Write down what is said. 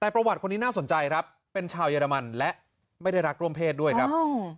แต่ประวัติคนนี้น่าสนใจครับเป็นชาวเยอรมันและไม่ได้รักร่วมเพศด้วยครับ